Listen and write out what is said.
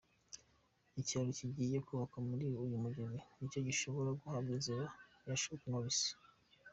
Ikiraro kigiye kubakwa kuri uyu mugezi nicyo gishobora guhabwa izina rya Chuck Norris.